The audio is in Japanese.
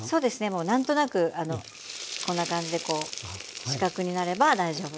もう何となくこんな感じでこう四角になれば大丈夫です。